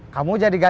kamu jadi penjaga